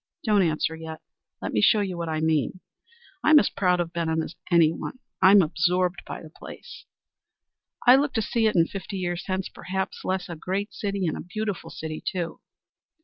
"Don't answer yet. Let me show you what I mean. I'm as proud of Benham as anyone. I am absorbed by the place, I look to see it fifty years hence perhaps less a great city, and a beautiful city too.